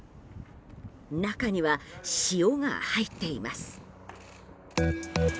中には塩が入っています。